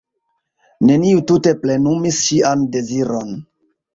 Neniu tute plenumis ŝian deziron.